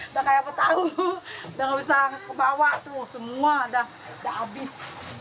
udah nggak bisa kebawa tuh semua udah abis